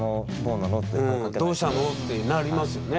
「どうしたの？」ってなりますよね。